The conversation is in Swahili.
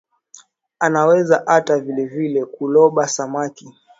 Anaweza ata vivile ku loba samaki